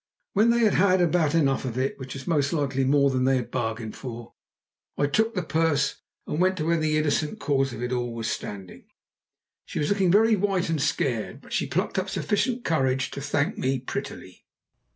When they had had about enough of it, which was most likely more than they had bargained for, I took the purse and went to where the innocent cause of it all was standing. She was looking very white and scared, but she plucked up sufficient courage to thank me prettily.